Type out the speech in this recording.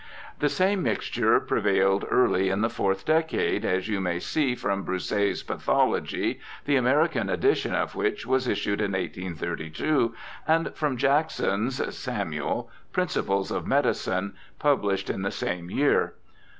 The same mixture prevailed early in the fourth decade, as you may see from Broussais' Pathology, the American edition of which was issued in 1832, and from Jackson's (Samuel) Principles of Medicine, published in the same year.